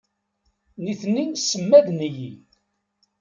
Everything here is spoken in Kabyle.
Nitni ssmaden-iyi.